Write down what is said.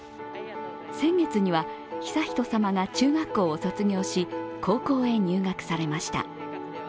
先月には悠仁さまが中学校を卒業し、高校へ入学されました。